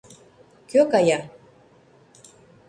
Кӧ кая?